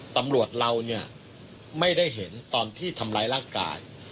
ตำรวจเราเนี่ยไม่ได้เห็นตอนที่ทำร้ายร่างกาย